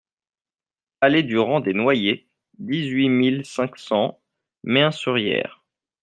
Allée du Rang des Noyers, dix-huit mille cinq cents Mehun-sur-Yèvre